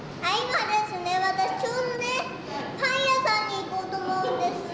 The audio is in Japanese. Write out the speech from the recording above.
私ちょうどねパン屋さんに行こうと思うんです。